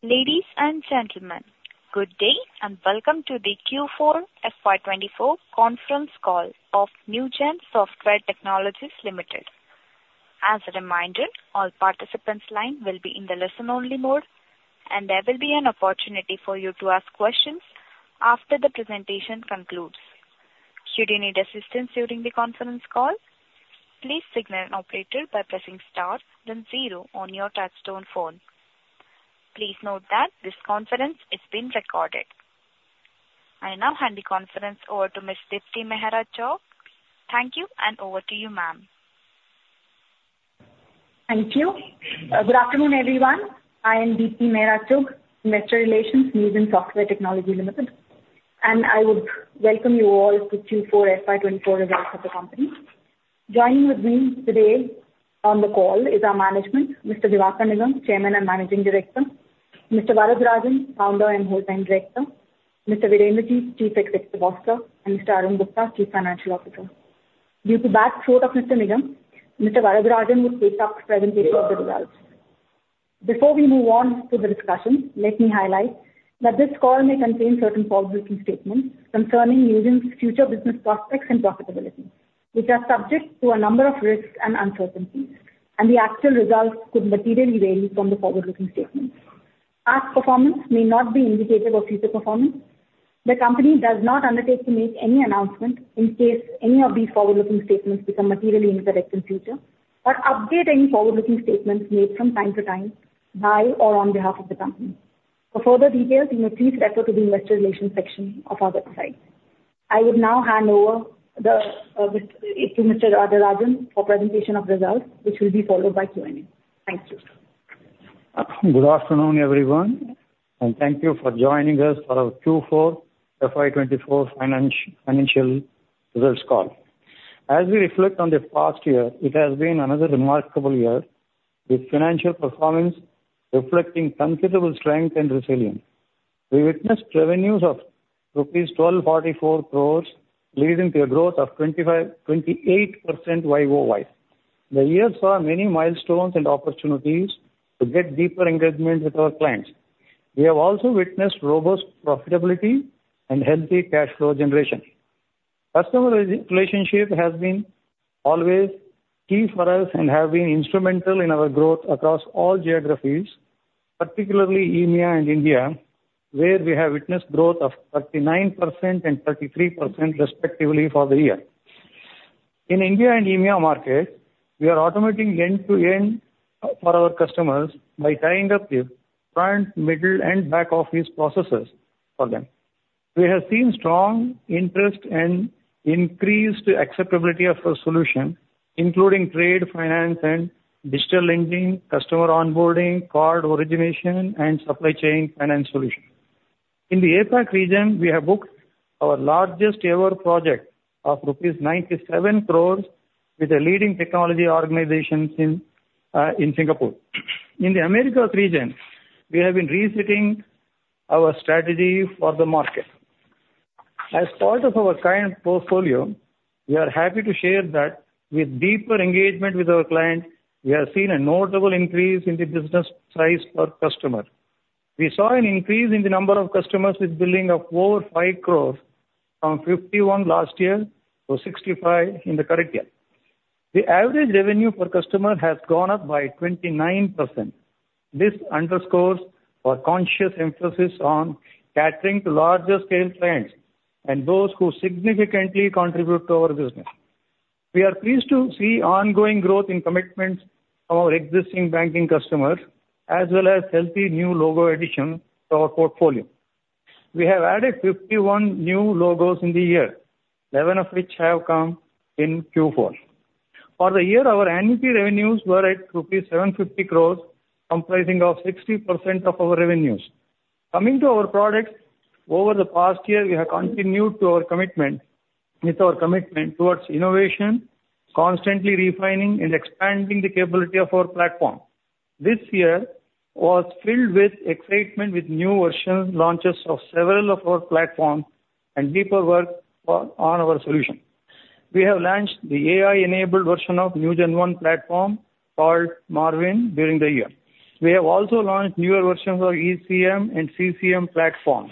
Ladies and gentlemen, good day, and welcome to the Q4 FY 2024 conference call of Newgen Software Technologies Limited. As a reminder, all participants' line will be in the listen-only mode, and there will be an opportunity for you to ask questions after the presentation concludes. Should you need assistance during the conference call, please signal an operator by pressing star then zero on your touchtone phone. Please note that this conference is being recorded. I now hand the conference over to Ms. Deepti Mehra Chugh. Thank you, and over to you, ma'am. Thank you. Good afternoon, everyone. I am Deepti Mehra Chugh, Investor Relations, Newgen Software Technologies Limited, and I would welcome you all to Q4 FY 2024 results of the company. Joining with me today on the call is our management, Mr. Diwakar Nigam, Chairman and Managing Director, Mr. T. S. Varadarajan, Founder and Whole-Time Director, Mr. Virender Jeet, Chief Executive Officer, and Mr. Arun Kumar Gupta, Chief Financial Officer. Due to bad throat of Mr. Nigam, Mr. T. S. Varadarajan will take up presentation of the results. Before we move on to the discussion, let me highlight that this call may contain certain forward-looking statements concerning Newgen's future business prospects and profitability, which are subject to a number of risks and uncertainties, and the actual results could materially vary from the forward-looking statements. Past performance may not be indicative of future performance. The company does not undertake to make any announcement in case any of these forward-looking statements become materially incorrect in future or update any forward-looking statements made from time to time by or on behalf of the company. For further details, you may please refer to the Investor Relations section of our website. I would now hand over to Mr. Varadarajan for presentation of results, which will be followed by Q&A. Thank you. Good afternoon, everyone, and thank you for joining us for our Q4 FY 2024 financial results call. As we reflect on the past year, it has been another remarkable year, with financial performance reflecting considerable strength and resilience. We witnessed revenues of rupees 1,244 crores, leading to a growth of 28% YoY. The year saw many milestones and opportunities to get deeper engagement with our clients. We have also witnessed robust profitability and healthy cash flow generation. Customer relationship has been always key for us and have been instrumental in our growth across all geographies, particularly EMEA and India, where we have witnessed growth of 39% and 33% respectively for the year. In India and EMEA market, we are automating end-to-end for our customers by tying up the front, middle, and back-office processes for them. We have seen strong interest and increased acceptability of our solution, including trade, finance, and digital lending, customer onboarding, card origination, and supply chain finance solution. In the APAC region, we have booked our largest-ever project of rupees 97 crore with a leading technology organization in Singapore. In the Americas region, we have been resetting our strategy for the market. As part of our client portfolio, we are happy to share that with deeper engagement with our client, we have seen a notable increase in the business size per customer. We saw an increase in the number of customers with billing of over 5 crore from 51 last year to 65 in the current year. The average revenue per customer has gone up by 29%. This underscores our conscious emphasis on catering to larger-scale clients and those who significantly contribute to our business. We are pleased to see ongoing growth in commitments from our existing banking customers, as well as healthy new logo addition to our portfolio. We have added 51 new logos in the year, 11 of which have come in Q4. For the year, our annual revenues were at rupees 750 crores, comprising 60% of our revenues. Coming to our products, over the past year, we have continued with our commitment towards innovation, constantly refining and expanding the capability of our platform. This year was filled with excitement, with new version launches of several of our platforms and deeper work on our solution. We have launched the AI-enabled version of NewgenONE platform called Marvin during the year. We have also launched newer versions of our ECM and CCM platform.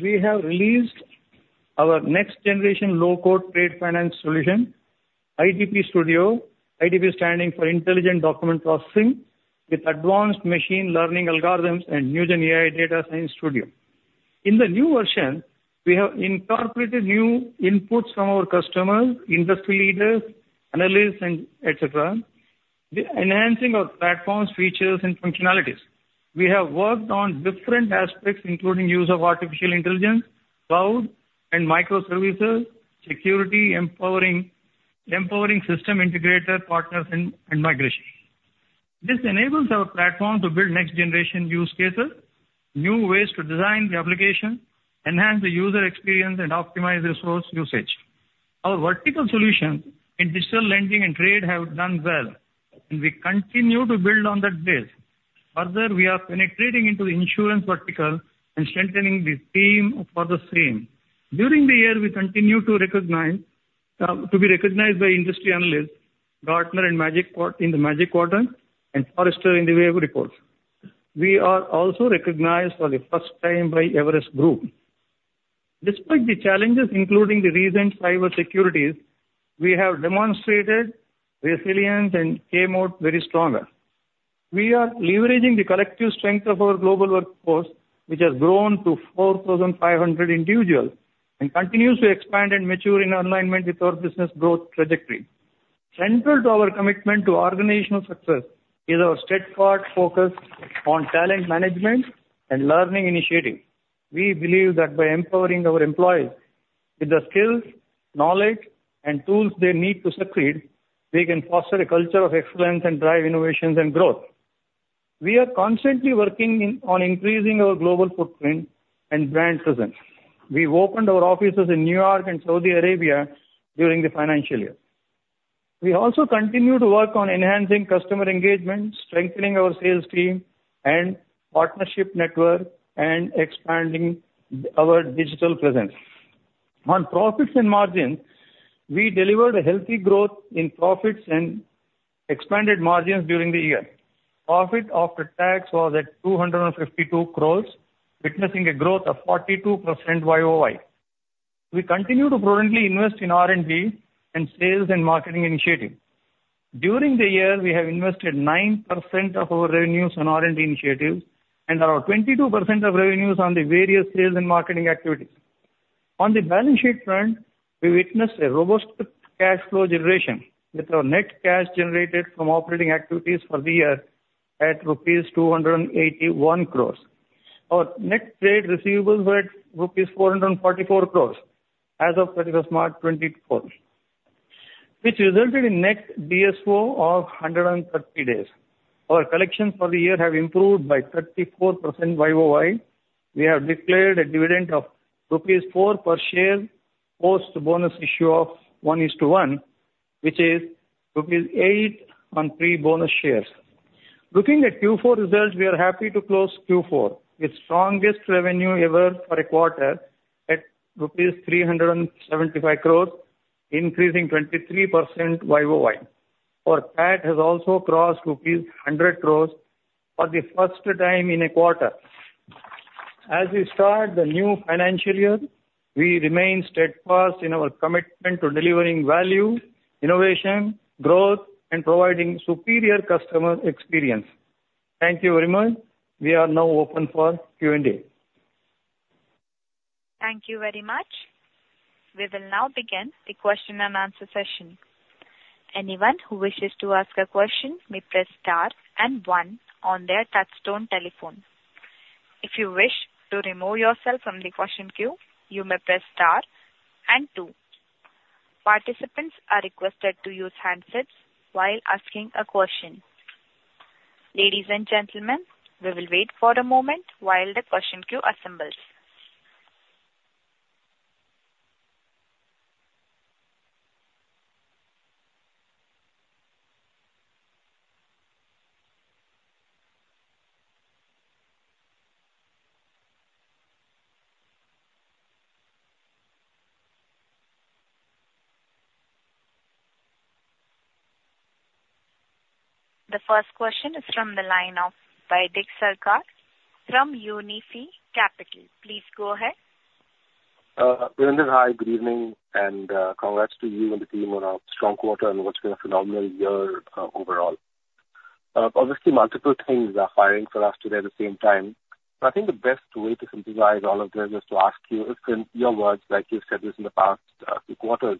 We have released our next-generation low-code trade finance solution, IDP Studio, IDP standing for Intelligent Document Processing, with advanced machine learning algorithms and NewgenAI Data Science Studio. In the new version, we have incorporated new inputs from our customers, industry leaders, analysts, and et cetera, thereby enhancing our platforms, features, and functionalities. We have worked on different aspects, including use of artificial intelligence, cloud and microservices, security, empowering system integrator partners and migration. This enables our platform to build next-generation use cases, new ways to design the application, enhance the user experience, and optimize resource usage. Our vertical solution in digital lending and trade have done well, and we continue to build on that base. Further, we are penetrating into the insurance vertical and strengthening the team for the same. During the year, we continued to recognize, to be recognized by industry analysts—Gartner in the Magic Quadrant and Forrester in the Wave report. We are also recognized for the first time by Everest Group. Despite the challenges, including the recent cyber securities, we have demonstrated resilience and came out very stronger. We are leveraging the collective strength of our global workforce, which has grown to 4,500 individuals, and continues to expand and mature in alignment with our business growth trajectory. Central to our commitment to organizational success is our steadfast focus on talent management and learning initiatives. We believe that by empowering our employees with the skills, knowledge, and tools they need to succeed, we can foster a culture of excellence and drive innovations and growth. We are constantly working on increasing our global footprint and brand presence. We've opened our offices in New York and Saudi Arabia during the financial year. We also continue to work on enhancing customer engagement, strengthening our sales team and partnership network, and expanding our digital presence. On profits and margins, we delivered a healthy growth in profits and expanded margins during the year. Profit after tax was at 252 crore, witnessing a growth of 42% YoY. We continue to prudently invest in R&D and sales and marketing initiatives. During the year, we have invested 9% of our revenues on R&D initiatives, and around 22% of revenues on the various sales and marketing activities. On the balance sheet front, we witnessed a robust cash flow generation, with our net cash generated from operating activities for the year at rupees 281 crore. Our net trade receivables were at rupees 444 crores as of thirty-first March 2024, which resulted in net DSO of 130 days. Our collections for the year have improved by 34% YoY. We have declared a dividend of rupees 4 per share, post bonus issue of 1:1, which is rupees 8 on pre-bonus shares. Looking at Q4 results, we are happy to close Q4, its strongest revenue ever for a quarter, at rupees 375 crores, increasing 23% YoY. Our PAT has also crossed rupees 100 crores for the first time in a quarter. As we start the new financial year, we remain steadfast in our commitment to delivering value, innovation, growth, and providing superior customer experience. Thank you very much. We are now open for Q&A. Thank you very much. We will now begin the question and answer session. Anyone who wishes to ask a question may press star and one on their touchtone telephone. If you wish to remove yourself from the question queue, you may press star and two. Participants are requested to use handsets while asking a question. Ladies and gentlemen, we will wait for a moment while the question queue assembles. The first question is from the line of Baidik Sarkar from Unifi Capital. Please go ahead. Virender, hi, good evening, and congrats to you and the team on a strong quarter and what's been a phenomenal year, overall. Obviously, multiple things are firing for us today at the same time, but I think the best way to synthesize all of this is to ask you is in your words, like you've said this in the past few quarters,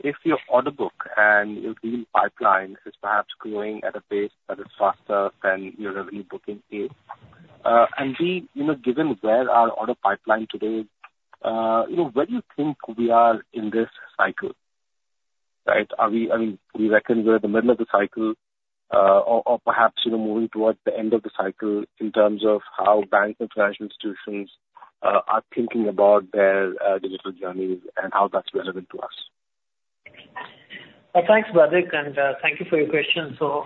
if your order book and your deal pipeline is perhaps growing at a pace that is faster than your revenue booking pace, and we, you know, given where our order pipeline today, you know, where do you think we are in this cycle, right? Are we—I mean, do you reckon we're in the middle of the cycle, or perhaps, you know, moving towards the end of the cycle in terms of how banks and financial institutions are thinking about their digital journeys and how that's relevant to us? Thanks, Vaidik, and thank you for your question. So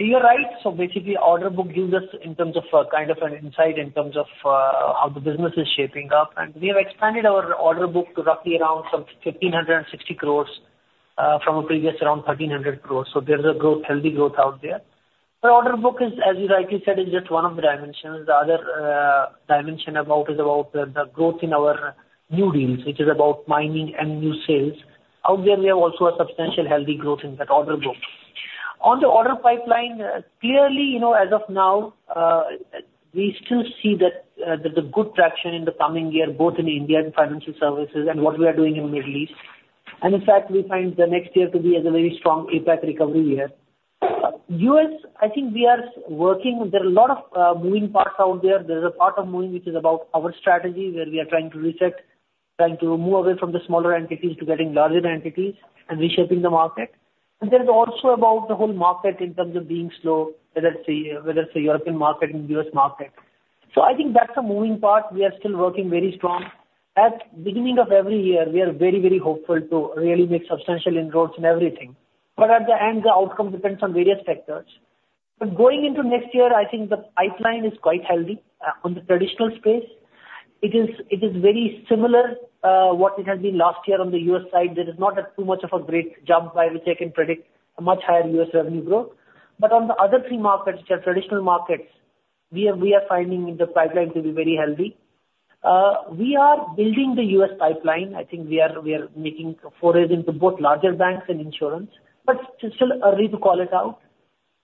you are right. So basically, order book gives us in terms of, kind of an insight in terms of, how the business is shaping up. And we have expanded our order book to roughly around some 1,560 crores, from a previous around 1,300 crores. So there's a growth, healthy growth out there. The order book is, as you rightly said, is just one of the dimensions. The other dimension about is about the growth in our new deals, which is about mining and new sales. Out there we have also a substantial healthy growth in that order book. On the order pipeline, clearly, you know, as of now, we still see that, the good traction in the coming year, both in India and financial services and what we are doing in Middle East. And in fact, we find the next year to be as a very strong impact recovery year. U.S., I think we are working. There are a lot of moving parts out there. There is a part of moving, which is about our strategy, where we are trying to reset, trying to move away from the smaller entities to getting larger entities and reshaping the market. And there's also about the whole market in terms of being slow, whether it's a European market and U.S. market. So I think that's a moving part. We are still working very strong. At beginning of every year, we are very, very hopeful to really make substantial inroads in everything, but at the end, the outcome depends on various factors. But going into next year, I think the pipeline is quite healthy, on the traditional space.... It is, it is very similar, what it has been last year on the US side. There is not a too much of a great jump by which I can predict a much higher US revenue growth. But on the other three markets, which are traditional markets, we are, we are finding the pipeline to be very healthy. We are building the US pipeline. I think we are, we are making forays into both larger banks and insurance, but it's still early to call it out.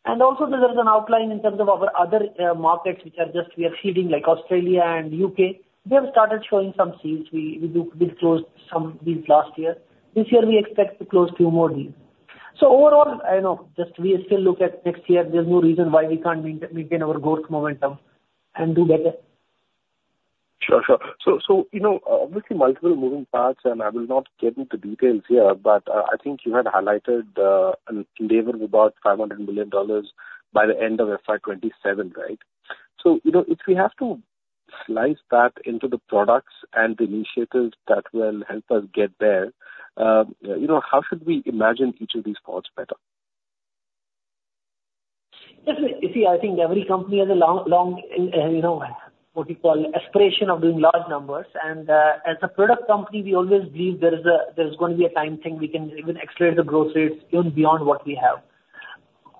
And also there is an outline in terms of our other, markets which are just we are seeding, like Australia and U.K. They have started showing some seeds. We, we do, we closed some deals last year. This year we expect to close two more deals. Overall, I know, just we still look at next year, there's no reason why we can't maintain our growth momentum and do better. Sure, sure. So, so, you know, obviously, multiple moving parts, and I will not get into details here, but, I think you had highlighted, an endeavor about $500 million by the end of FY 2027, right? So, you know, if we have to slice that into the products and the initiatives that will help us get there, you know, how should we imagine each of these parts better? Yes, see, I think every company has a long, long, you know, what you call aspiration of doing large numbers. And, as a product company, we always believe there is a, there is going to be a time thing. We can even accelerate the growth rates even beyond what we have.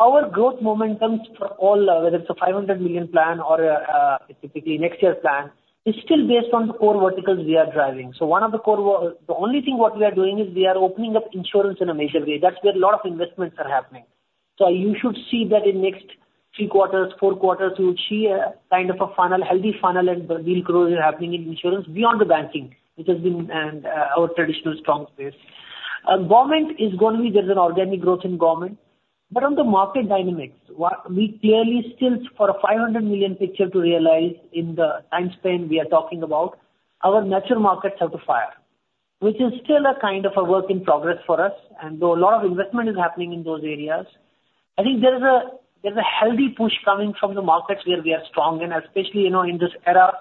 Our growth momentums for all, whether it's a $500 million plan or a, specifically next year's plan, is still based on the core verticals we are driving. So one of the core The only thing what we are doing is we are opening up insurance in a major way. That's where a lot of investments are happening. So you should see that in next three quarters, four quarters, you'll see a kind of a funnel, healthy funnel and deal growth happening in insurance beyond the banking, which has been, our traditional strong space. Government is going to be, there's an organic growth in government, but on the market dynamics, we clearly still, for a $500 million picture to realize in the time span we are talking about, our mature markets have to fire, which is still a kind of a work in progress for us. And though a lot of investment is happening in those areas, I think there is a, there's a healthy push coming from the markets where we are strong. And especially, you know, in this era,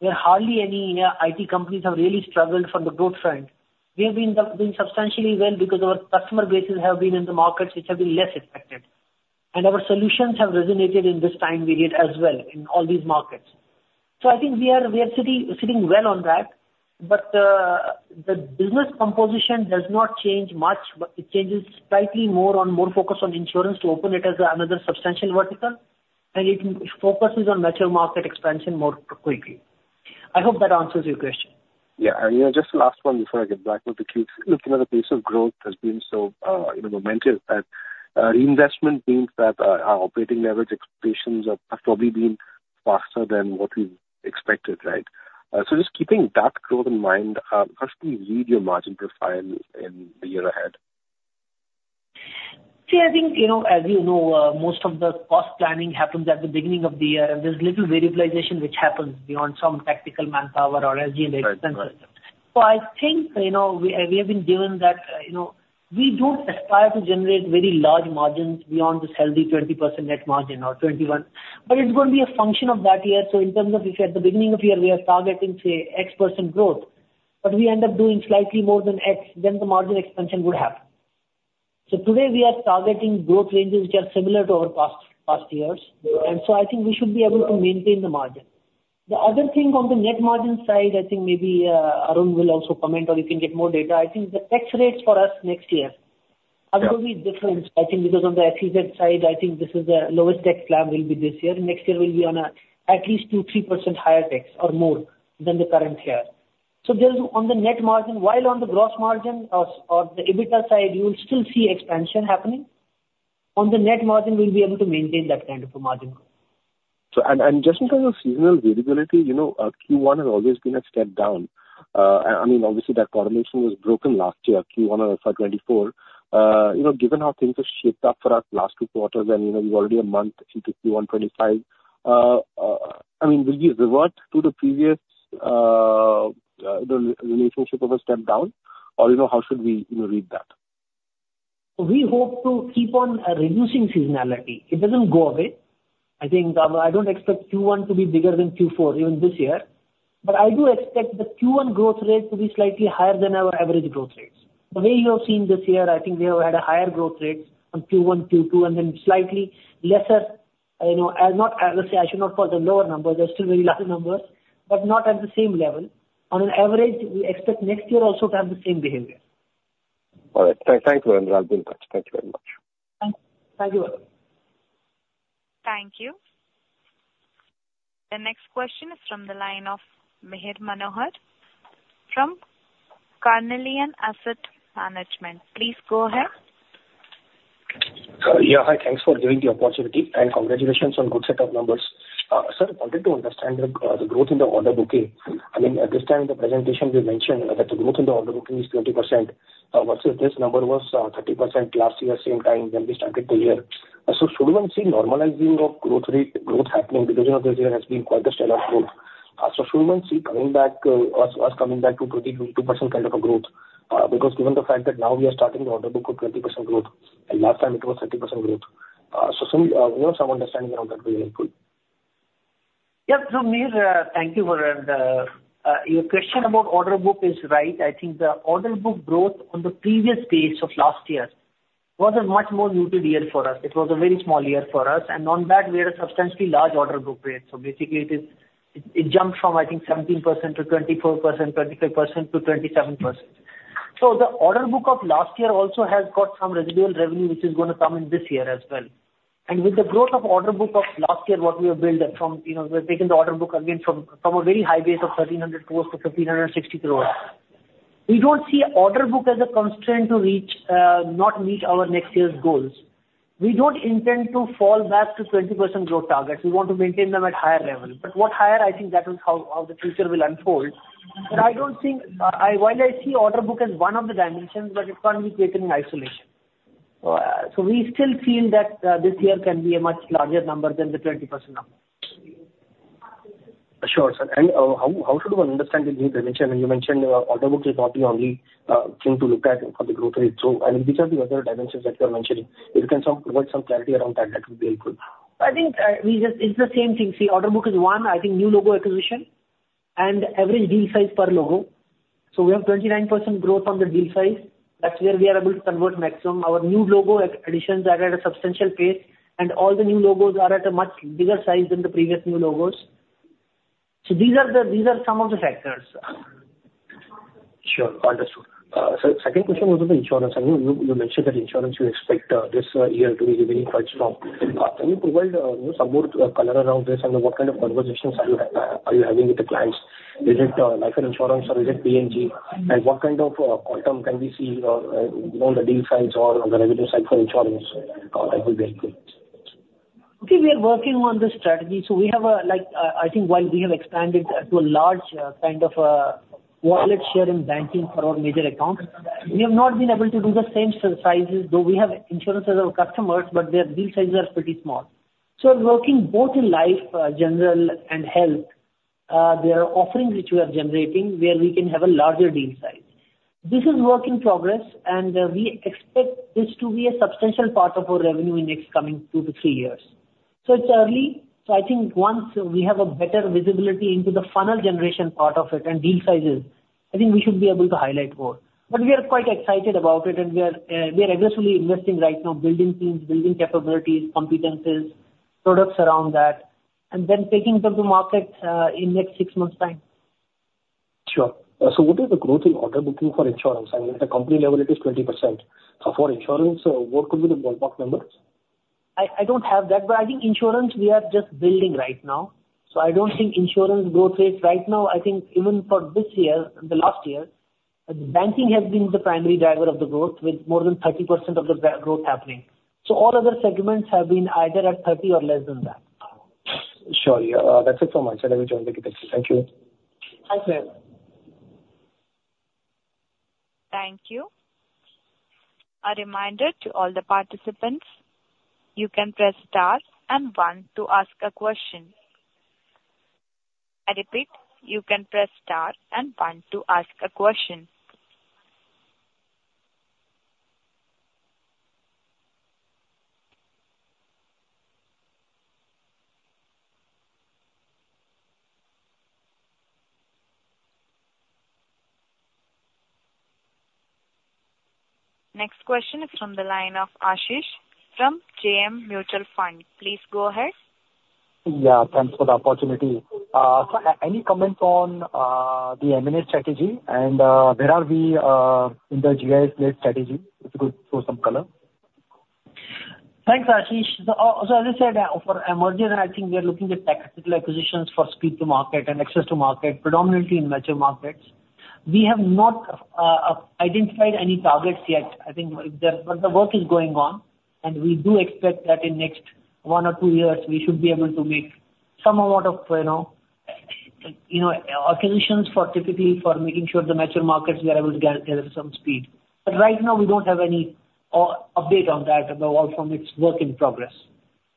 where hardly any, IT companies have really struggled from the growth front. We have been substantially well because our customer bases have been in the markets which have been less affected, and our solutions have resonated in this time period as well in all these markets. So I think we are sitting well on that. But the business composition does not change much, but it changes slightly more on more focus on insurance to open it as another substantial vertical, and it focuses on mature market expansion more quickly. I hope that answers your question. Yeah. And, you know, just the last one before I get back with the kids. Looking at the pace of growth has been so, you know, momentous, that reinvestment means that our operating leverage expectations have probably been faster than what we expected, right? So just keeping that growth in mind, how do you read your margin profile in the year ahead? See, I think, you know, as you know, most of the cost planning happens at the beginning of the year, and there's little variabilization which happens beyond some tactical manpower or energy and expenses. Right. Right. I think, you know, we, we have been given that, you know, we don't aspire to generate very large margins beyond this healthy 20% net margin or 21%, but it's going to be a function of that year. In terms of if at the beginning of year, we are targeting, say, X% growth, but we end up doing slightly more than X, then the margin expansion would happen. Today we are targeting growth ranges which are similar to our past years. Yeah. I think we should be able to maintain the margin. The other thing on the net margin side, I think maybe, Arun will also comment or you can get more data. I think the tax rates for us next year- Yeah. They are going to be different, I think, because on the SEZ side, I think this is the lowest tax slab will be this year. Next year, we'll be on at least 2%-3% higher tax or more than the current year. So there's on the net margin, while on the gross margin or, or the EBITDA side, you will still see expansion happening. On the net margin, we'll be able to maintain that kind of a margin. And just in terms of seasonal variability, you know, Q1 has always been a step down. I mean, obviously, that correlation was broken last year, Q1 of FY 2024. You know, given how things have shaped up for us last two quarters and, you know, we're already a month into Q1 2025, I mean, will you revert to the previous, the relationship of a step down, or, you know, how should we, you know, read that? We hope to keep on reducing seasonality. It doesn't go away. I think I don't expect Q1 to be bigger than Q4, even this year. But I do expect the Q1 growth rate to be slightly higher than our average growth rates. The way you have seen this year, I think we have had a higher growth rate on Q1, Q2, and then slightly lesser, you know, I will say, I should not call the lower numbers. They're still very large numbers, but not at the same level. On an average, we expect next year also to have the same behavior. All right. Thanks very much. I'll build that. Thank you very much. Thank you. Thank you, Arun. Thank you. The next question is from the line of Mihir Manohar from Carnelian Asset Management. Please go ahead. Yeah, hi, thanks for giving the opportunity, and congratulations on good set of numbers. Sir, I wanted to understand the growth in the order booking. I mean, at this time, the presentation you mentioned that the growth in the order booking is 20%, versus this number was 30% last year, same time when we started the year. So should one see normalizing of growth rate, growth happening because of this year has been quite a stellar growth? So should one see coming back, us coming back to 22% kind of a growth? Because given the fact that now we are starting the order book with 20% growth, and last time it was 30% growth. So some, you know, some understanding around that will be helpful. Yeah. So Mihir, thank you for your question about order book is right. I think the order book growth on the previous base of last year. It was a much more muted year for us. It was a very small year for us, and on that, we had a substantially large order book rate. So basically, it jumped from, I think 17%-24%, 25%-27%. So the order book of last year also has got some residual revenue, which is gonna come in this year as well. And with the growth of order book of last year, what we have built up from, you know, we've taken the order book again from a very high base of 1,300 crores-1,560 crores. We don't see order book as a constraint to reach, not meet our next year's goals. We don't intend to fall back to 20% growth targets. We want to maintain them at higher level, but what higher, I think that is how, how the future will unfold. But I don't think, I, while I see order book as one of the dimensions, but it can't be taken in isolation. So we still feel that this year can be a much larger number than the 20% number. Sure, sir. And how should one understand the new dimension? When you mentioned, order book is not the only thing to look at for the growth rate. So, I mean, which are the other dimensions that you are mentioning? If you can provide some clarity around that, that would be helpful. I think, we just, it's the same thing. See, order book is one. I think new logo acquisition and average deal size per logo. So we have 29% growth on the deal size. That's where we are able to convert maximum. Our new logo additions are at a substantial pace, and all the new logos are at a much bigger size than the previous new logos. So these are the, these are some of the factors. Sure. Understood. So second question was on the insurance. I know you, you mentioned that insurance you expect this year to be really quite strong. Can you provide some more color around this and what kind of conversations are you having with the clients? Is it life insurance or is it P&C? And what kind of outcome can we see on the deal size or on the revenue side for insurance? That would be helpful. Okay, we are working on the strategy. So we have a, like, I think while we have expanded to a large, kind of, wallet share in banking for our major accounts, we have not been able to do the same sizes. Though we have insurance as our customers, but their deal sizes are pretty small. So we're working both in life, general and health. There are offerings which we are generating, where we can have a larger deal size. This is work in progress, and, we expect this to be a substantial part of our revenue in next coming two to three years. So it's early. So I think once we have a better visibility into the funnel generation part of it and deal sizes, I think we should be able to highlight more. But we are quite excited about it, and we are aggressively investing right now, building teams, building capabilities, competencies, products around that, and then taking them to market in next six months' time. Sure. So what is the growth in order booking for insurance? I mean, at the company level, it is 20%. For insurance, what could be the ballpark numbers? I don't have that, but I think insurance we are just building right now. So I don't think insurance growth rate right now. I think even for this year, the last year, banking has been the primary driver of the growth with more than 30% of the banking growth happening. So all other segments have been either at 30 or less than that. Sure, yeah. That's it from my side. I will join the next. Thank you. Thanks, sir. Thank you. A reminder to all the participants, you can press star and one to ask a question. I repeat, you can press star and one to ask a question. Next question is from the line of Ashish from JM Mutual Fund. Please go ahead. Yeah, thanks for the opportunity. So any comments on the M&A strategy? And where are we in the GSI-led strategy? If you could throw some color. Thanks, Ashish. So, so as I said, for merger, I think we are looking at tactical acquisitions for speed to market and access to market, predominantly in mature markets. We have not identified any targets yet. I think, but the work is going on, and we do expect that in next one or two years, we should be able to make some amount of, you know, you know, acquisitions for typically for making sure the mature markets, we are able to get, get some speed. But right now, we don't have any update on that, but also it's work in progress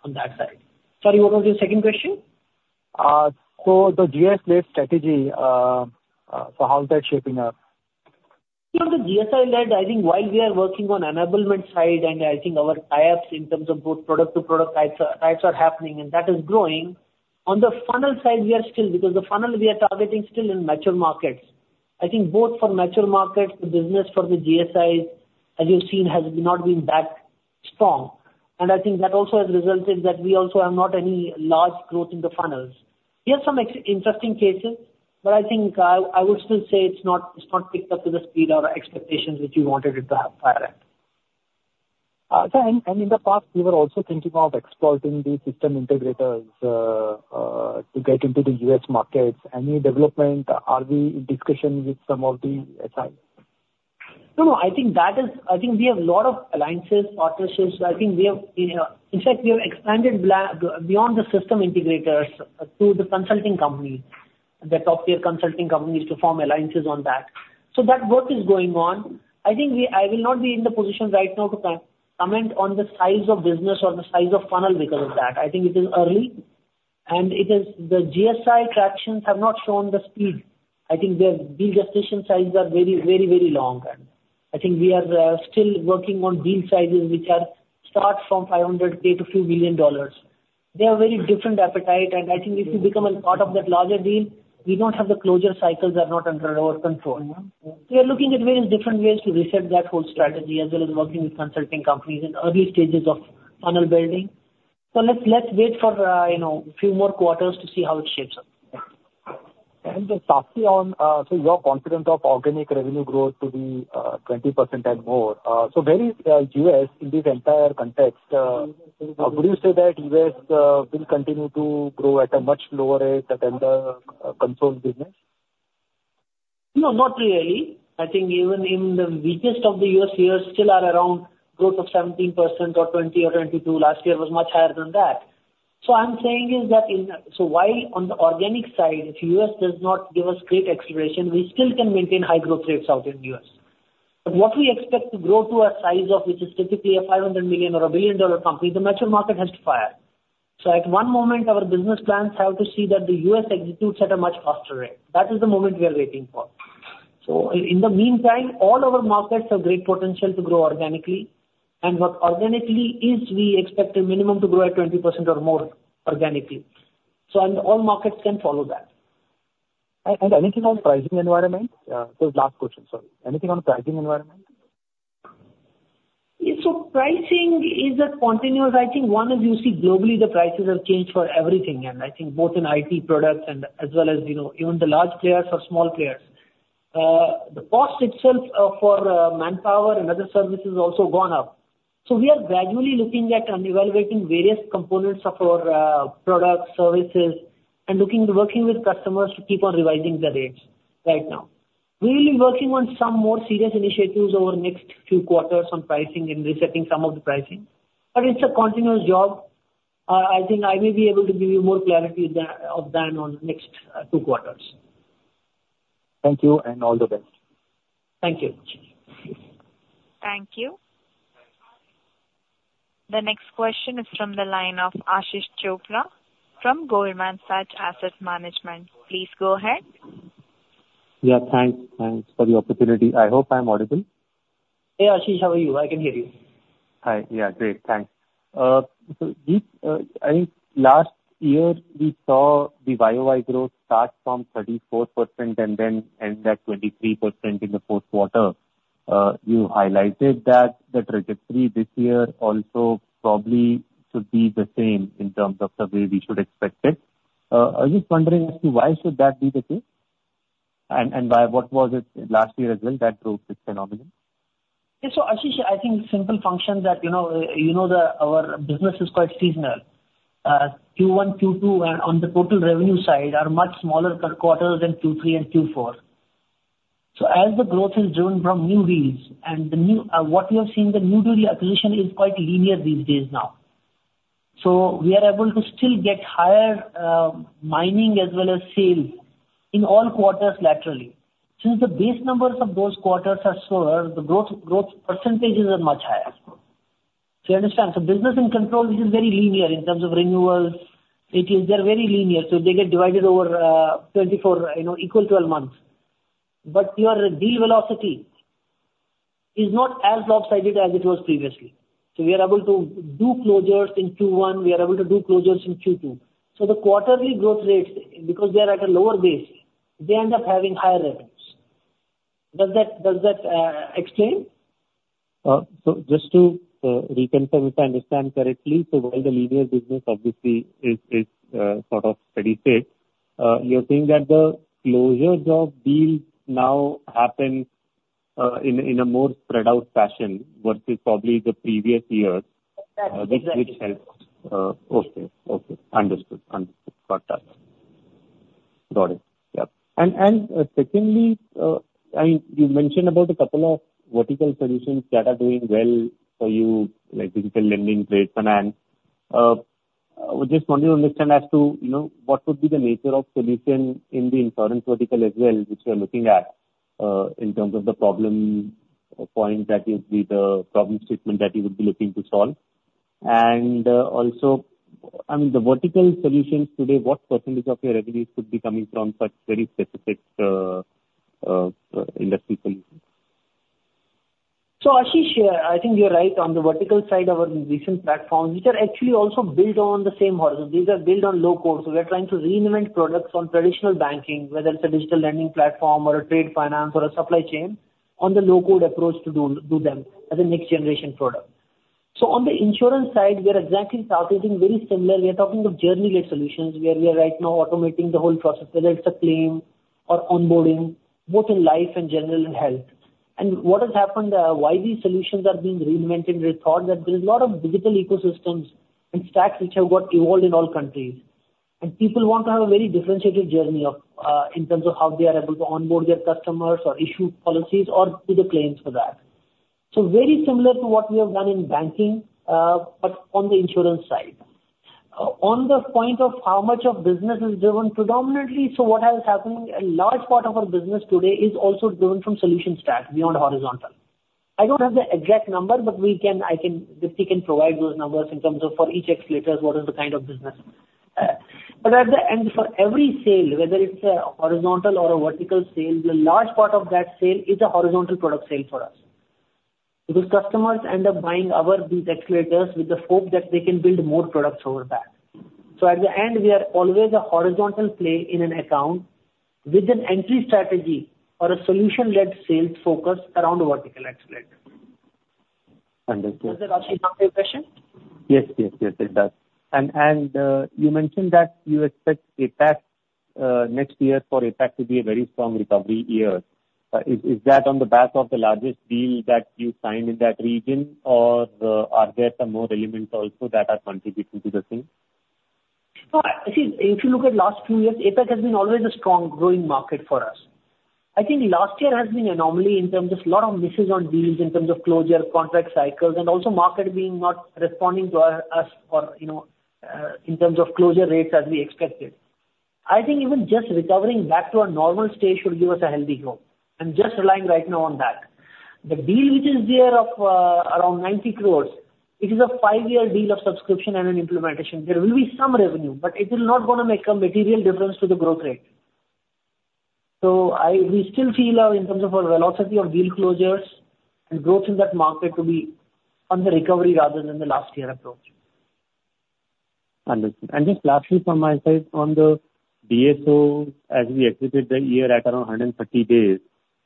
on that side. Sorry, what was your second question? So the GSI-led strategy, so how is that shaping up? Yeah, the GSI-led. I think while we are working on enablement side, and I think our tie-ups in terms of both product to product types, types are happening, and that is growing. On the funnel side, we are still... Because the funnel we are targeting still in mature markets. I think both for mature markets, the business for the GSIs, as you've seen, has not been that strong. And I think that also has resulted that we also have not any large growth in the funnels. We have some interesting cases, but I think, I would still say it's not, it's not picked up to the speed or expectations which we wanted it to have prior. So, in the past, you were also thinking of exploring the system integrators to get into the U.S. markets. Any development? Are we in discussion with some of the SIs? No, no, I think that is... I think we have a lot of alliances, partnerships. I think we have, in fact, we have expanded beyond the system integrators to the consulting companies, the top-tier consulting companies, to form alliances on that. So that work is going on. I think we, I will not be in the position right now to comment on the size of business or the size of funnel because of that. I think it is early, and it is, the GSI tractions have not shown the speed. I think their deal gestation sizes are very, very, very long, and I think we are, still working on deal sizes, which start from $500,000 to few million dollars.... They are very different appetite, and I think if you become a part of that larger deal, we don't have the closure cycles are not under our control. We are looking at various different ways to reset that whole strategy, as well as working with consulting companies in early stages of funnel building. So let's wait for, you know, a few more quarters to see how it shapes up. And just lastly on, so you're confident of organic revenue growth to be 20% and more. So where is U.S. in this entire context? Would you say that U.S. will continue to grow at a much lower rate than the core business? No, not really. I think even in the weakest of the U.S. years, still are around growth of 17% or 20% or 22%. Last year was much higher than that. So I'm saying is that in so while on the organic side, if U.S. does not give us great acceleration, we still can maintain high growth rates out in U.S. But what we expect to grow to a size of, which is typically a $500 million or a billion-dollar company, the mature market has to fire. So at one moment, our business plans have to see that the U.S. executes at a much faster rate. That is the moment we are waiting for. So in the meantime, all our markets have great potential to grow organically. What organically is, we expect a minimum to grow at 20% or more organically, so and all markets can follow that. And anything on pricing environment? So last question, sorry. Anything on pricing environment? Yeah, so pricing is a continuous. I think one is, you see, globally, the prices have changed for everything, and I think both in IT products and as well as, you know, even the large players or small players. The cost itself, for, manpower and other services has also gone up. So we are gradually looking at and evaluating various components of our, products, services, and looking to working with customers to keep on revising the rates right now. We will be working on some more serious initiatives over the next few quarters on pricing and resetting some of the pricing, but it's a continuous job. I think I may be able to give you more clarity there, of than on next two quarters. Thank you and all the best. Thank you. Thank you. The next question is from the line of Ashish Chopra from Goldman Sachs Asset Management. Please go ahead. Yeah, thanks, thanks for the opportunity. I hope I'm audible. Hey, Ashish, how are you? I can hear you. Hi. Yeah, great. Thanks. So Deepti, I think last year we saw the YOY growth start from 34% and then end at 23% in the fourth quarter. You highlighted that the trajectory this year also probably should be the same in terms of the way we should expect it. I was just wondering as to why should that be the case, and, and why, what was it last year as well that drove this phenomenon? Yeah. So, Ashish, I think simple function that, you know, you know the, our business is quite seasonal. Q1, Q2, and on the total revenue side, are much smaller per quarter than Q3 and Q4. So as the growth is driven from new deals and the new what we have seen, the new deal acquisition is quite linear these days now. So we are able to still get higher maintenance as well as sales in all quarters laterally. Since the base numbers of those quarters are slower, the growth percentages are much higher. So you understand? So business in control, this is very linear in terms of renewals. It is, they're very linear, so they get divided over 24, you know, equal 12 months. But your deal velocity is not as lopsided as it was previously. So we are able to do closures in Q1, we are able to do closures in Q2. So the quarterly growth rates, because they are at a lower base, they end up having higher revenues. Does that, does that, explain? So just to reconfirm, if I understand correctly, so while the linear business obviously is sort of steady state, you're saying that the closures of deals now happen in a more spread out fashion versus probably the previous years? That's exactly. which helps. Okay. Okay. Understood. Understood. Got that. Got it. Yep. And secondly, I mean, you mentioned about a couple of vertical solutions that are doing well for you, like digital lending, trade finance. I just want to understand as to, you know, what would be the nature of solution in the insurance vertical as well, which you are looking at, in terms of the problem or point that you see, the problem statement that you would be looking to solve. And also, I mean, the vertical solutions today, what percentage of your revenues could be coming from such very specific industry solutions? So, Ashish, I think you're right. On the vertical side, our recent platforms, which are actually also built on the same horizon, these are built on low code. So we're trying to reinvent products on traditional banking, whether it's a digital lending platform or a trade finance or a supply chain, on the low code approach to do, do them as a next generation product. So on the insurance side, we are exactly targeting very similar. We are talking of journey-led solutions, where we are right now automating the whole process, whether it's a claim or onboarding, both in life and general health. And what has happened, why these solutions are being reinvented, we thought that there is a lot of digital ecosystems and stacks which have got evolved in all countries. And people want to have a very differentiated journey of, in terms of how they are able to onboard their customers or issue policies or do the claims for that. So very similar to what we have done in banking, but on the insurance side. On the point of how much of business is driven predominantly, so what has happened, a large part of our business today is also driven from solution stacks beyond horizontal. I don't have the exact number, but we can, I can, Deepti can provide those numbers in terms of for each accelerator, what is the kind of business mix? But at the end, for every sale, whether it's a horizontal or a vertical sale, the large part of that sale is a horizontal product sale for us. Because customers end up buying our these accelerators with the hope that they can build more products over that. So at the end, we are always a horizontal play in an account with an entry strategy or a solution-led sales focus around a vertical accelerator. Understood. Does that, Rashid, answer your question? Yes, yes, yes, it does. You mentioned that you expect APAC next year for APAC to be a very strong recovery year. Is that on the back of the largest deal that you signed in that region, or are there some more elements also that are contributing to the same? No, I see, if you look at last few years, APAC has been always a strong growing market for us. I think last year has been anomaly in terms of lot of misses on deals, in terms of closure, contract cycles, and also market being not responding to us or, you know, in terms of closure rates as we expected. I think even just recovering back to a normal state should give us a healthy growth, and just relying right now on that. The deal which is there of around 90 crore, it is a five-year deal of subscription and an implementation. There will be some revenue, but it will not gonna make a material difference to the growth rate. So we still feel, in terms of our velocity of deal closures and growth in that market, to be on the recovery rather than the last year approach. Understood. And just lastly, from my side, on the DSO, as we exited the year at around 130 days.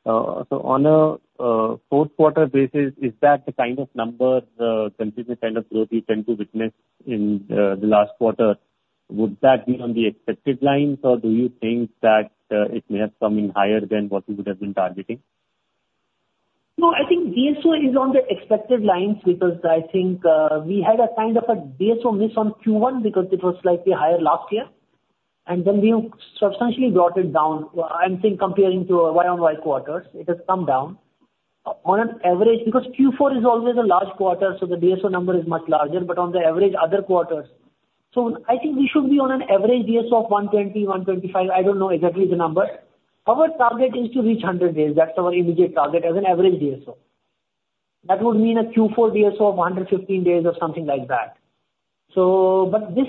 So on a fourth quarter basis, is that the kind of number consistent kind of growth we tend to witness in the last quarter? Would that be on the expected lines, or do you think that it may have come in higher than what you would have been targeting? No, I think DSO is on the expected lines because I think we had a kind of a DSO miss on Q1 because it was slightly higher last year, and then we substantially brought it down. I think comparing to a YoY days quarters, it has come down. On an average, because Q4 is always a large quarter, so the DSO number is much larger, but on the average other quarters. So I think we should be on an average DSO of 120 days, 125. I don't know exactly the number. Our target is to reach 100 days. That's our immediate target as an average DSO. That would mean a Q4 DSO of 115 days or something like that. This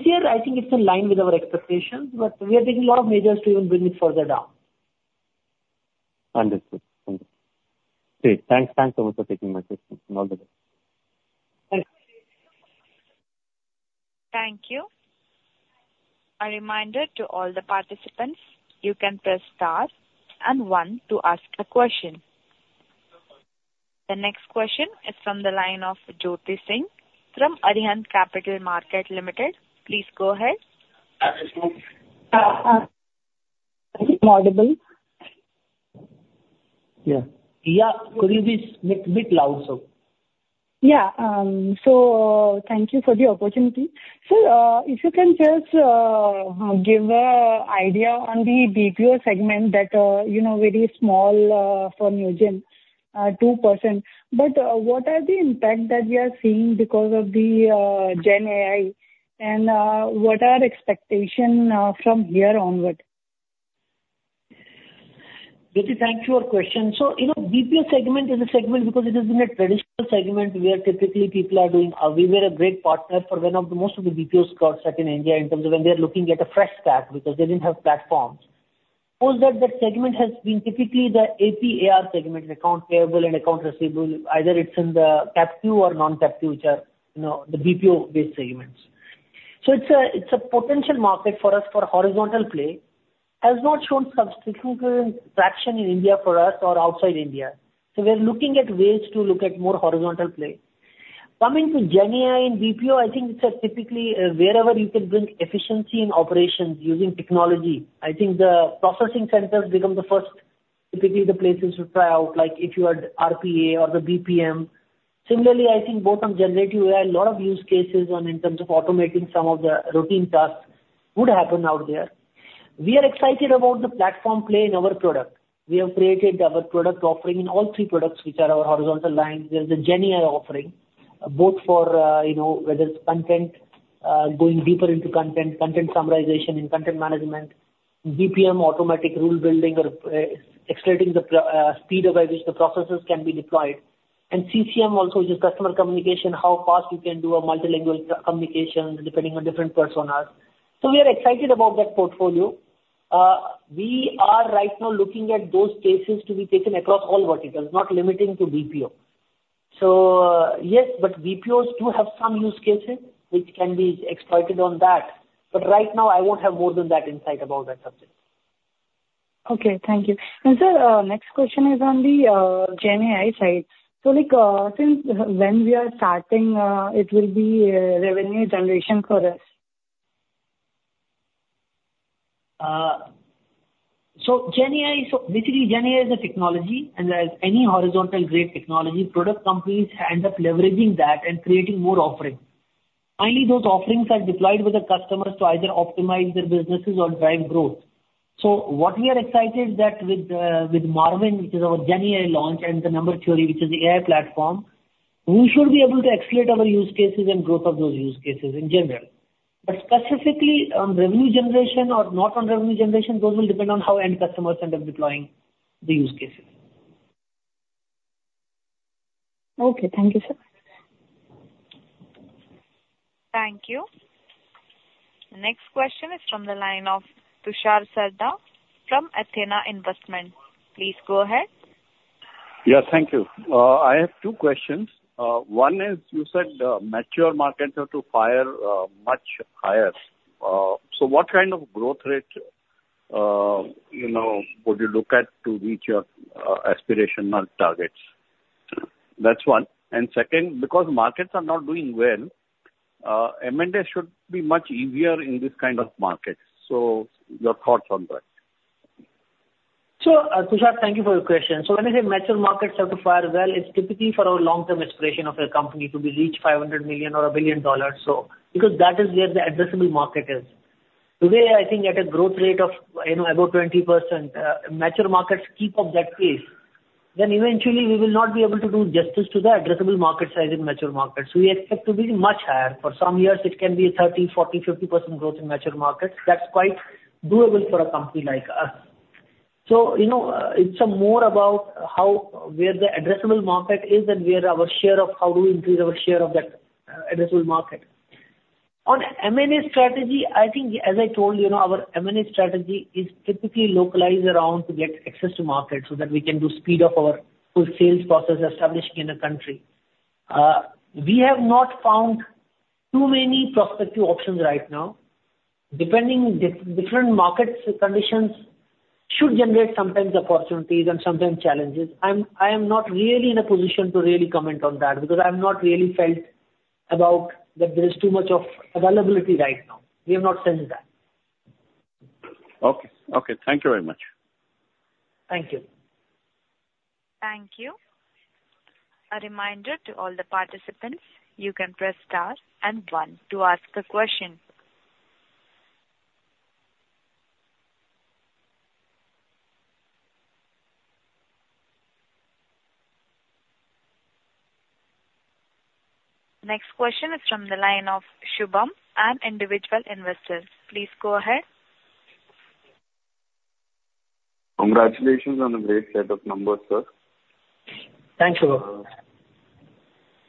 year, I think it's in line with our expectations, but we are taking a lot of measures to even bring it further down. Understood. Understood. Great. Thanks, thanks a lot for taking my questions, and all the best. Thanks. Thank you. A reminder to all the participants, you can press star and one to ask a question. The next question is from the line of Jyoti Singh from Arihant Capital Market Limited. Please go ahead. I'm I audible? Yeah. Yeah, could you be a bit louder, so? Yeah, so, thank you for the opportunity. Sir, if you can just, give a idea on the BPO segment that, you know, very small, for Newgen, 2%. But, what are the impact that we are seeing because of the, GenAI, and, what are expectation, from here onward? Jyoti, thank you for your question. So, you know, BPO segment is a segment because it has been a traditional segment where typically people are doing... We were a great partner for most of the BPOs got set up in India in terms of when they are looking at a fresh start because they didn't have platforms. Suppose that the segment has been typically the AP/AR segment, accounts payable and accounts receivable, either it's in the captive or non-captive, which are, you know, the BPO-based segments. So it's a, it's a potential market for us for horizontal play. Has not shown substantial traction in India for us or outside India. So we are looking at ways to look at more horizontal play. Coming to GenAI and BPO, I think it's a typically, wherever you can bring efficiency in operations using technology, I think the processing centers become the first, typically the places to try out, like if you had RPA or the BPM. Similarly, I think both on generative AI, a lot of use cases on in terms of automating some of the routine tasks would happen out there. We are excited about the platform play in our product. We have created our product offering in all three products, which are our horizontal lines. There's a GenAI offering, both for, you know, whether it's content, going deeper into content, content summarization and content management, BPM, automatic rule building or, accelerating the speed at which the processes can be deployed. CCM also, which is customer communication, how fast you can do a multilingual co-communication depending on different personas. We are excited about that portfolio. We are right now looking at those cases to be taken across all verticals, not limiting to BPO. Yes, but BPOs do have some use cases which can be exploited on that, but right now I won't have more than that insight about that subject. Okay, thank you. Sir, next question is on the GenAI side. So like, since when we are starting, it will be revenue generation for us? So GenAI, so basically, GenAI is a technology, and as any horizontal great technology, product companies end up leveraging that and creating more offerings. Finally, those offerings are deployed with the customers to either optimize their businesses or drive growth. So what we are excited that with the, with Marvin, which is our GenAI launch, and the Number Theory, which is the AI platform, we should be able to accelerate our use cases and growth of those use cases in general. But specifically on revenue generation or not on revenue generation, those will depend on how end customers end up deploying the use cases.... Okay, thank you, sir. Thank you. Next question is from the line of Tushar Sarda from Athena Investment. Please go ahead. Yeah, thank you. I have two questions. One is, you said, mature markets have to fire much higher. So what kind of growth rate, you know, would you look at to reach your aspirational targets? That's one. And second, because markets are not doing well, M&A should be much easier in this kind of market, so your thoughts on that. So, Tushar, thank you for your question. So when I say mature markets have to fire well, it's typically for our long-term aspiration of a company to be reach $500 million or $1 billion. So, because that is where the addressable market is. Today, I think at a growth rate of, you know, above 20%, mature markets keep up that pace, then eventually we will not be able to do justice to the addressable market size in mature markets. We expect to be much higher. For some years it can be a 30%, 40%, 50% growth in mature markets. That's quite doable for a company like us. So, you know, it's more about how, where the addressable market is and where our share of... How do we increase our share of that addressable market? On M&A strategy, I think as I told you, you know, our M&A strategy is typically localized around to get access to market so that we can do speed up our full sales process establishing in a country. We have not found too many prospective options right now. Depending different markets, conditions should generate sometimes opportunities and sometimes challenges. I am not really in a position to really comment on that, because I've not really felt about that there is too much of availability right now. We have not sensed that. Okay. Okay, thank you very much. Thank you. Thank you. A reminder to all the participants, you can press star and one to ask a question. Next question is from the line of Shubham, an individual investor. Please go ahead. Congratulations on the great set of numbers, sir. Thanks, Shubham.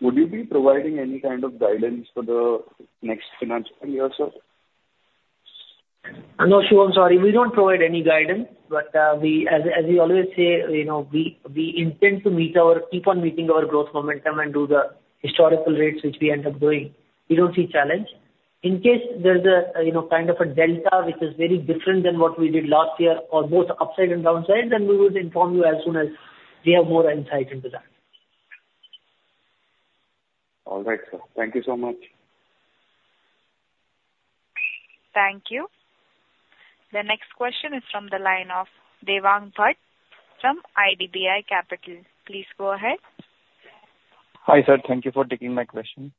Would you be providing any kind of guidance for the next financial year, sir? No, Shubham, sorry. We don't provide any guidance. But, we, as we always say, you know, we intend to meet our... keep on meeting our growth momentum and do the historical rates, which we end up doing. We don't see challenge. In case there's a, you know, kind of a delta, which is very different than what we did last year or both upside and downside, then we will inform you as soon as we have more insight into that. All right, sir. Thank you so much. Thank you. The next question is from the line of Devang Bhatt from IDBI Capital. Please go ahead. Hi, sir. Thank you for taking my question.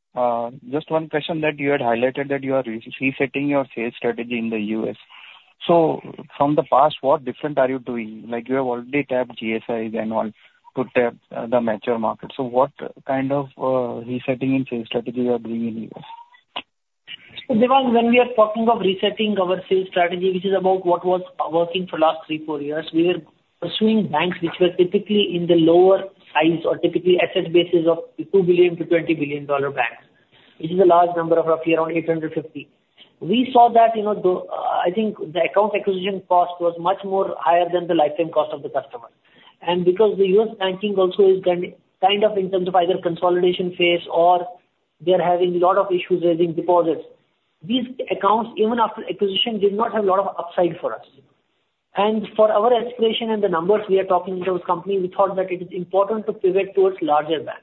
Just one question that you had highlighted that you are resetting your sales strategy in the U.S. So from the past, what different are you doing? Like, you have already tapped GSIs and all to tap the mature market. So what kind of resetting in sales strategy you are doing in U.S.? Devang, when we are talking of resetting our sales strategy, which is about what was working for last three, four years, we were pursuing banks which were typically in the lower size or typically asset bases of $2 billion-$20 billion banks. This is a large number of roughly around 850 accounts. We saw that, you know, though, I think the account acquisition cost was much more higher than the lifetime cost of the customer. And because the U.S. banking also is kind of in terms of either consolidation phase or they're having a lot of issues raising deposits, these accounts, even after acquisition, did not have a lot of upside for us. And for our aspiration and the numbers we are talking with those companies, we thought that it is important to pivot towards larger banks.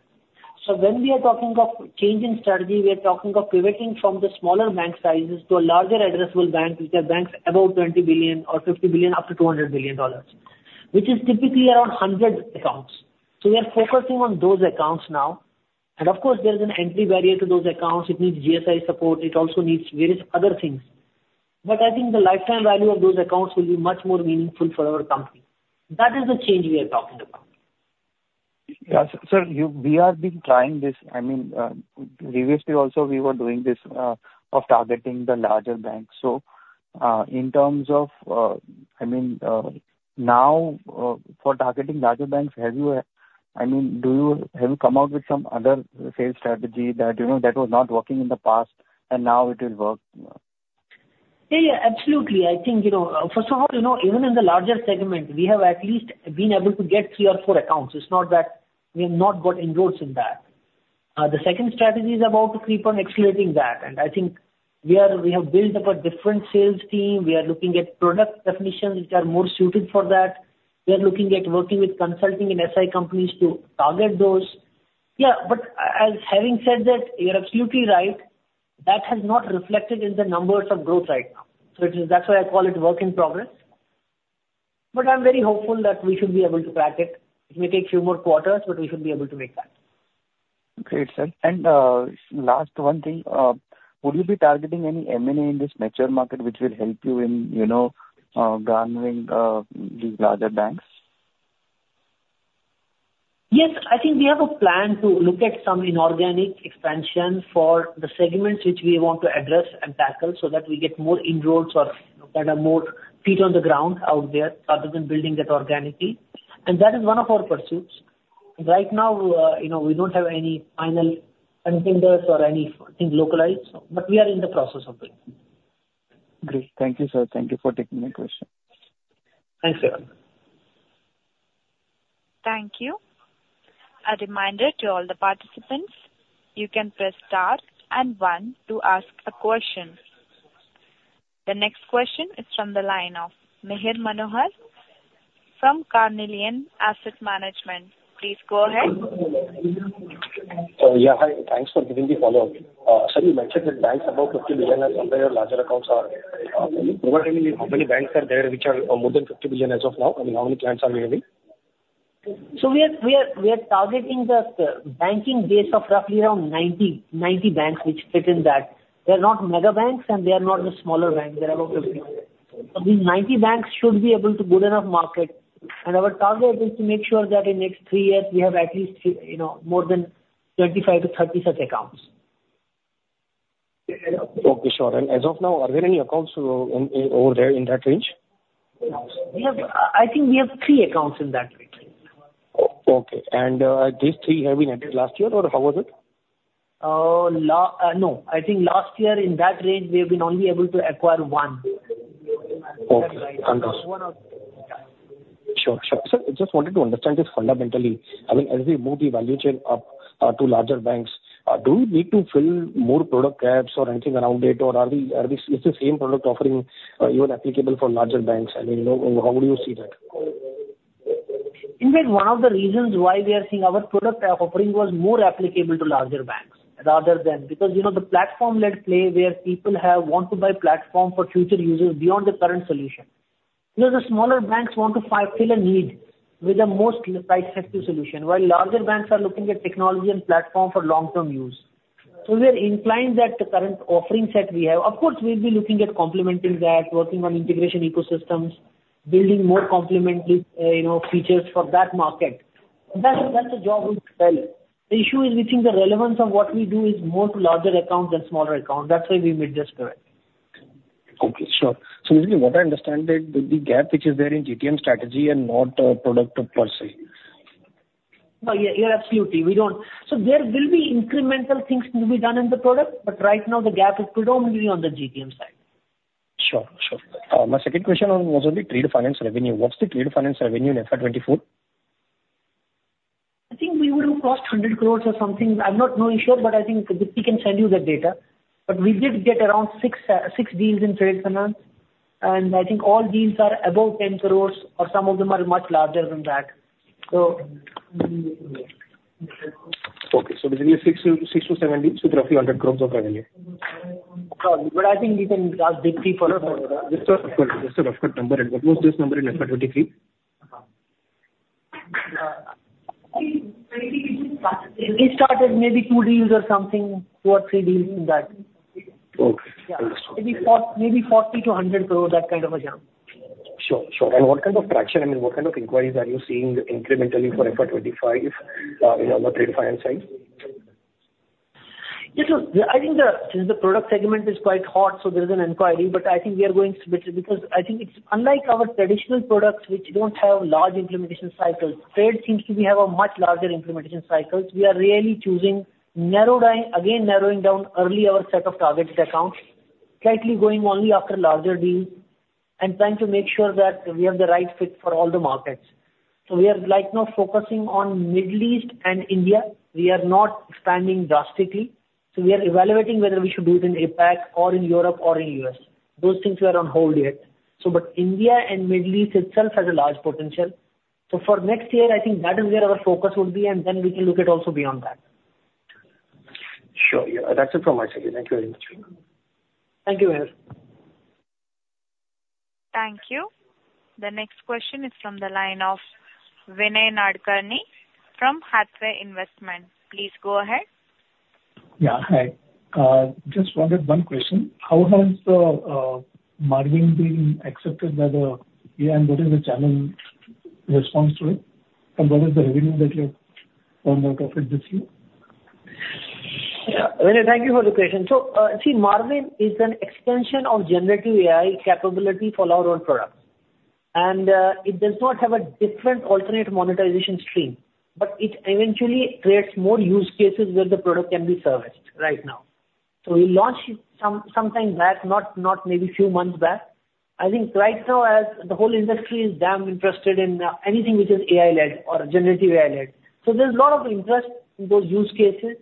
So when we are talking of change in strategy, we are talking of pivoting from the smaller bank sizes to a larger addressable bank, which are banks above $20 billion or $50 billion, up to $200 billion, which is typically around 100 accounts. So we are focusing on those accounts now. And of course, there's an entry barrier to those accounts. It needs GSI support, it also needs various other things. But I think the lifetime value of those accounts will be much more meaningful for our company. That is the change we are talking about. Yeah. So, sir, we have been trying this, I mean, previously, also, we were doing this, of targeting the larger banks. So, in terms of, I mean, now, for targeting larger banks, have you, I mean, do you, have you come out with some other sales strategy that, you know, that was not working in the past and now it will work? Yeah, yeah, absolutely. I think, you know, first of all, you know, even in the larger segment, we have at least been able to get three or four accounts. It's not that we have not got inroads in that. The second strategy is about to keep on accelerating that. And I think we are. We have built up a different sales team. We are looking at product definitions which are more suited for that. We are looking at working with consulting and SI companies to target those. Yeah, but as having said that, you're absolutely right, that has not reflected in the numbers of growth right now. So it is. That's why I call it work in progress. But I'm very hopeful that we should be able to crack it. It may take a few more quarters, but we should be able to make that. Great, sir. Last one thing, will you be targeting any M&A in this mature market, which will help you in, you know, garnering these larger banks? Yes, I think we have a plan to look at some inorganic expansion for the segments which we want to address and tackle, so that we get more inroads that are more feet on the ground out there, other than building it organically, and that is one of our pursuits. Right now, you know, we don't have any final contenders or anything localized, but we are in the process of it. Great! Thank you, sir. Thank you for taking my question. Thanks, Sir. Thank you. A reminder to all the participants, you can press star and one to ask a question. The next question is from the line of Mihir Manohar from Carnelian Asset Management. Please go ahead. Yeah, hi. Thanks for giving the follow-up. Sir, you mentioned that banks above $50 billion have somewhere larger accounts are, how many banks are there which are more than $50 billion as of now, and how many clients are we having? So we are targeting the banking base of roughly around 90 banks which fit in that. They are not mega banks, and they are not the smaller banks. They're about 50 banks. So these 90 banks should be able to good enough market, and our target is to make sure that in next three years, we have at least, you know, more than 25-30 such accounts. Okay, sure. And as of now, are there any accounts over there in that range? We have, I think we have three accounts in that range. Okay. And, these three have been added last year, or how was it? No. I think last year in that range, we have been only able to acquire one. Okay. Understood. Yeah. Sure. Sure. Sir, I just wanted to understand this fundamentally. I mean, as we move the value chain up to larger banks, do we need to fill more product gaps or anything around it? Or are we, are we, is the same product offering even applicable for larger banks? I mean, you know, how do you see that? In fact, one of the reasons why we are seeing our product offering was more applicable to larger banks rather than... Because, you know, the platform-led play where people want to buy platform for future users beyond the current solution. You know, the smaller banks want to fill a need with the most cost-effective solution, while larger banks are looking at technology and platform for long-term use. So we are inclined that the current offering set we have. Of course, we'll be looking at complementing that, working on integration ecosystems, building more complementary, you know, features for that market. That's a job well. The issue is, we think the relevance of what we do is more to larger accounts than smaller accounts. That's why we made this correct. Okay. Sure. So basically, what I understand that the gap which is there in GTM strategy and not, product per se. No, yeah, yeah, absolutely. We don't... So there will be incremental things to be done in the product, but right now the gap is predominantly on the GTM side. Sure. Sure. My second question was on the trade finance revenue. What's the trade finance revenue in FY 2024? I think we would have crossed 100 crore or something. I'm not sure, but I think Deepti can send you the data. But we did get around six deals in trade finance, and I think all deals are above 10 crore, or some of them are much larger than that. So... Okay. So basically 6-7 deals with roughly 100 crore of revenue. I think we can ask Deepti for a more- Just a rough cut number, and what was this number in FY 2023? I think we started- We started maybe two deals or something, two or three deals in that. Okay. Yeah. That's okay. INR 4 crore, maybe 40 crore-100 crore, that kind of a jam. Sure, sure. What kind of traction, I mean, what kind of inquiries are you seeing incrementally for FY 2025 in on the trade finance side? Yes, so I think the product segment is quite hot, so there is an inquiry, but I think we are going to split it because I think it's unlike our traditional products which don't have large implementation cycles. Trade seems to have a much larger implementation cycles. We are really choosing narrowing, again, narrowing down early our set of targets accounts, slightly going only after larger deals and trying to make sure that we have the right fit for all the markets. So we are right now focusing on Middle East and India. We are not expanding drastically. So we are evaluating whether we should do it in APAC or in Europe or in US. Those things we are on hold yet. So but India and Middle East itself has a large potential. For next year, I think that is where our focus will be, and then we can look at also beyond that. Sure. Yeah. That's it from my side. Thank you very much. Thank you, Mihir. Thank you. The next question is from the line of Vinay Nadkarni from Hathway Investments. Please go ahead. Yeah, hi. Just wanted one question. How has the Marvin been accepted by the AI, and what is the channel response to it, and what is the revenue that you earn out of it this year? Yeah. Vinay, thank you for the question. So, see, Marvin is an extension of generative AI capability for our own products. And, it does not have a different alternate monetization stream, but it eventually creates more use cases where the product can be serviced right now. So we launched sometime back, not maybe few months back. I think right now, as the whole industry is damn interested in anything which is AI-led or generative AI-led. So there's a lot of interest in those use cases.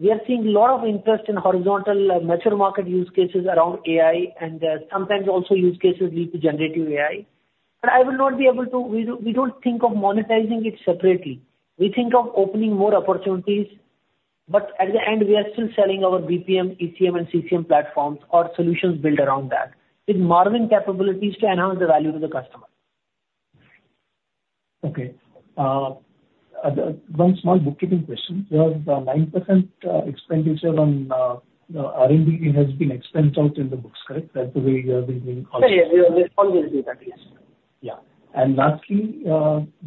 We are seeing a lot of interest in horizontal and mature market use cases around AI, and sometimes also use cases with generative AI. But I will not be able to... We don't think of monetizing it separately. We think of opening more opportunities, but at the end, we are still selling our BPM, ECM, and CCM platforms or solutions built around that, with Marvin capabilities to enhance the value to the customer. Okay. One small bookkeeping question. There was 9% expenditure on R&D has been expensed out in the books, correct? That way you have been doing all- Yeah, yeah. All will be that, yes. Yeah. And lastly,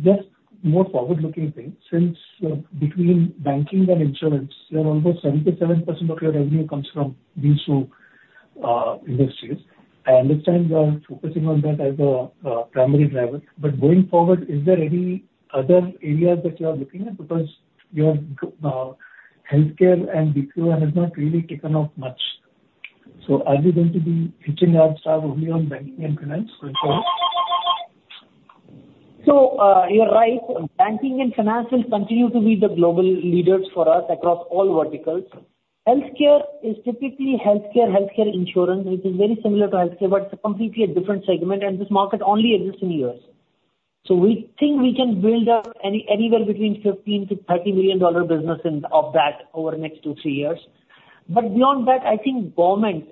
just more forward looking thing, since between banking and insurance, you have almost 77% of your revenue comes from these two industries. I understand you are focusing on that as a primary driver, but going forward, is there any other areas that you are looking at? Because your healthcare and BPO has not really taken off much. So are you going to be hitching your star only on banking and finance for insurance? So, you're right. Banking and finance will continue to be the global leaders for us across all verticals. Healthcare is typically healthcare, healthcare insurance, which is very similar to healthcare, but it's a completely a different segment, and this market only exists in the U.S. So we think we can build up anywhere between $15 million-$30 million business in that over the next two to threeyears. But beyond that, I think government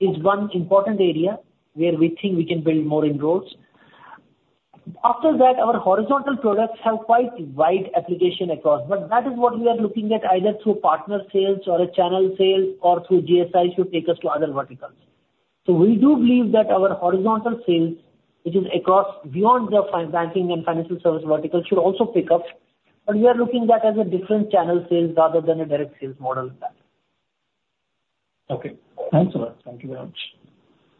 is one important area where we think we can build more inroads. After that, our horizontal products have quite wide application across, but that is what we are looking at, either through partner sales or a channel sales or through GSI to take us to other verticals. So we do believe that our horizontal sales, which is across beyond the financial banking and financial services vertical, should also pick up, but we are looking at that as a different channel sales rather than a direct sales model with that. Okay. Thanks a lot. Thank you very much.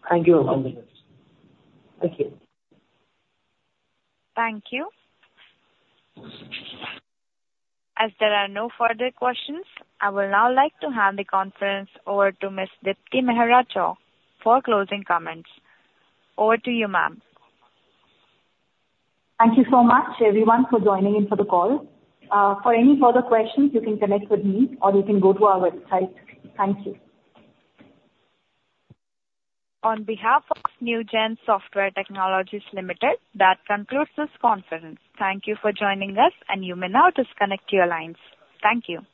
Thank you. Thank you. Thank you. As there are no further questions, I would now like to hand the conference over to Ms. Deepti Mehra Chugh for closing comments. Over to you, ma'am. Thank you so much everyone for joining in for the call. For any further questions, you can connect with me or you can go to our website. Thank you. On behalf of Newgen Software Technologies Limited, that concludes this conference. Thank you for joining us, and you may now disconnect your lines. Thank you.